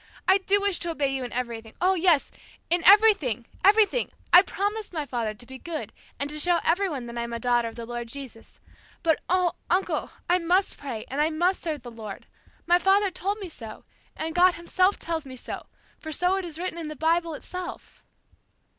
I do wish to obey you in everything. Oh, yes, in everything, everything! I promised my father to be good and to show to everyone that I am a daughter of the Lord Jesus. But, oh, uncle, I must pray, and I must serve the Lord. My father told me so, and God Himself tells me so, for so it is written down in the Bible itself."